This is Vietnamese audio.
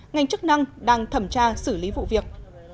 ngành chức năng đang thẩm tra xử lý vụ việc